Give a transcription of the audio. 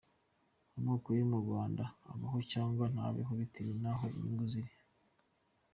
Amoko yo mu Rwanda abaho, cyangwa ntabeho bitewe n’aho inyungu ziri.